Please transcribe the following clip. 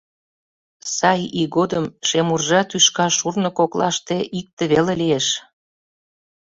Сай ий годым шемуржа тӱшка шурно коклаште икте веле лиеш.